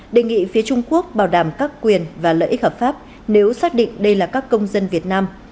đề nghị phía trung quốc bảo đảm các quyền và lợi ích hợp pháp nếu xác định đây là các công dân việt nam